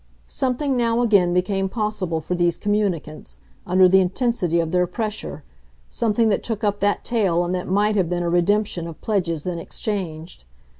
Something now again became possible for these communicants, under the intensity of their pressure, something that took up that tale and that might have been a redemption of pledges then exchanged.